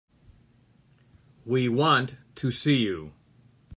We want to see you.